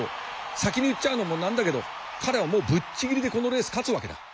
先に言っちゃうのもなんだけど彼はもうぶっちぎりでこのレース勝つわけだ！